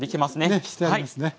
ねしてありますね。